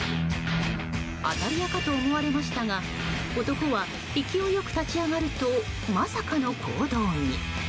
当たり屋かと思われましたが男は勢いよく立ち上がるとまさかの行動に。